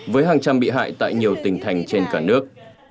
với hàng trăm bị hại tại nhiều tỉnh thành trên cả nước